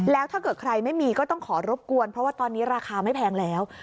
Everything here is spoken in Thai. แล้วถ้าเกิดใครไม่มีก็ต้องขอรบกวนเพราะว่าตอนนี้ราคาไม่แพงแล้ว